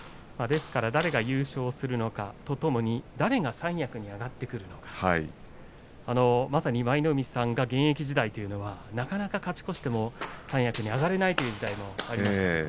ですから誰が優勝するのかとともに誰が三役に上がってくるのかまさに舞の海さんが現役時代というのはなかなか勝ち越しても三役に上がれないという時代がありましたね。